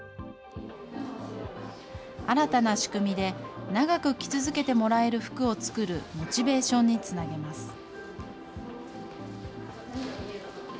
新たな仕組みで、長く着続けてもらえる服を作るモチベーションにつなげます。